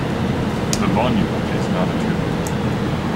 The monument is not a tomb.